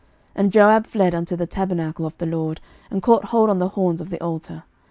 And Joab fled unto the tabernacle of the LORD, and caught hold on the horns of the altar.